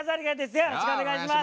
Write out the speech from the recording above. よろしくお願いします。